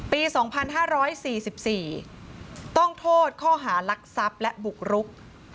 ปี๒๕๔๔ต้องโทษข้อหารักทรัพย์และบุกรุก